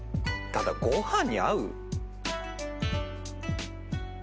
ただご飯に合う？